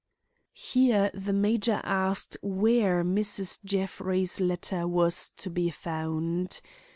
Here the major asked where Mrs. Jeffrey's letter was to be found.